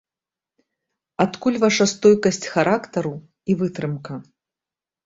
Адкуль ваша стойкасць характару і вытрымка?